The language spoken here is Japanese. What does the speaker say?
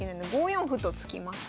５四歩と突きます。